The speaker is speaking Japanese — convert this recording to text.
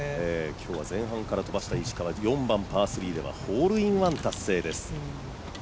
今日は前半から飛ばした石川、４番パー３ではホールインワン達成です。